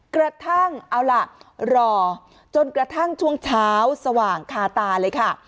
กระทั่งเอาล่ะรอจนกระทั่งช่วงเช้าสว่างคาตาเลยค่ะ